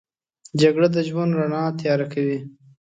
جګړه د ژوند رڼا تیاره کوي